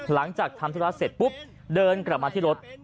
หลังจากทำธุระเสร็จปุ๊บเดินกลับมาที่รถ